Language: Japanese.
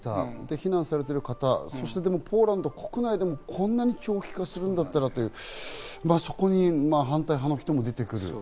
避難されてる方、ポーランド国内でもこんなに長期化するんだったらっていう、そこに反対派の人も出てくる。